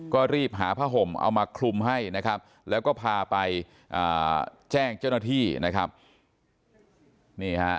ก็รีบหาผ้าห่มเอามาคลุมให้แล้วก็พาไปแจ้งเจ้าหน้าที่